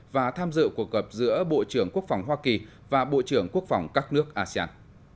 và tham dự cuộc gặp giữa bộ trưởng quốc phòng hoa kỳ và bộ trưởng quốc phòng các nước asean